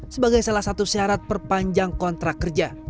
sebagai salah satu syarat perpanjang kontrak kerja